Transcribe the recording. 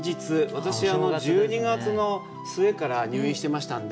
私１２月の末から入院してましたんで。